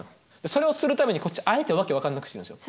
それをするためにこっちあえて訳分からなくしてるんですよ。